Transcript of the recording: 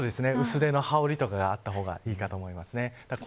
できれば薄着の羽織とかがあった方がいいと思います。